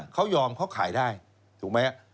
เขายอมเขาขายได้ถูกไหม